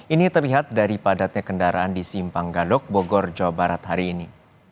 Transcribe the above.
ini terlihat dari padatnya kendaraan di simpang gadok bogor jawa barat hari ini